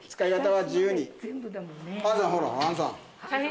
はい。